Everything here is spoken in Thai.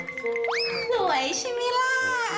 สวยใช่ไหมล่ะ